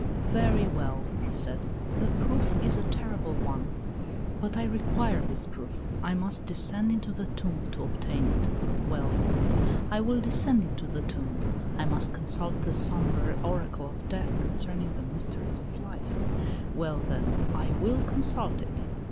"Very well," he said. "The proof is a terrible one, but I require this proof. I must descend into the tomb to obtain it: well, then, I will descend into the tomb. I must consult the sombre oracle of death concerning the mysteries of life: well, then, I will consult it."